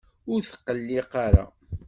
Ur tqelliq ara.